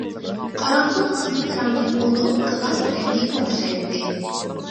قارامتۇل قىزىل رەڭلىك بولۇپ، گىلاس رەڭگىگە ئوخشايتتى.